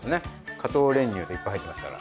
加糖練乳でいっぱい入ってますから。